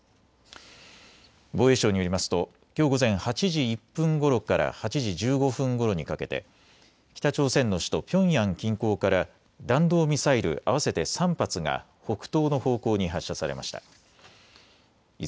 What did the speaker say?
防衛省によりますときょう午前８時１分ごろから８時１５分ごろにかけて北朝鮮の首都ピョンヤン近郊から弾道ミサイル合わせて３発が北東の方向に発射されました。